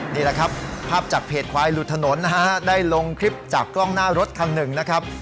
นี่แหละครับภาพจากเพจควายหลุดถนนนะฮะได้ลงคลิปจากกล้องหน้ารถคันหนึ่งนะครับ